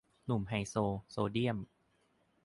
หนุ่มไฮโซ โซเดียม